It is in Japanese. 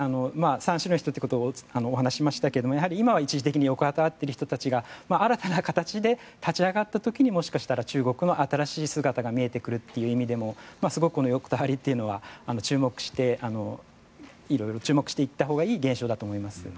３種類の人がいると言いましたけれどもやはり今は一時的に横たわっている人たちが新たな形で立ち上がった時にもしかしたら中国の新しい姿が見えてくるという意味でもすごく横たわりというのは色々注目していったほうがいい現象だと思います。